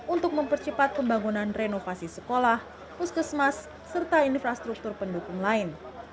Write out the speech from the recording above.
untuk mempercepat pembangunan renovasi sekolah puskesmas serta infrastruktur pendukung lain